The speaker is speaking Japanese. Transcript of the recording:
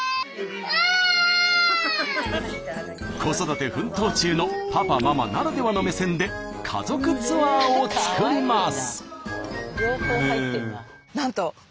子育て奮闘中のパパママならではの目線で家族ツアーを作ります。